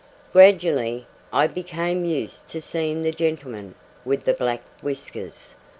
Gradually, I became used to seeing the gentleman with the black whiskers.